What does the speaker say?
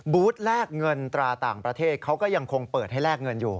แลกเงินตราต่างประเทศเขาก็ยังคงเปิดให้แลกเงินอยู่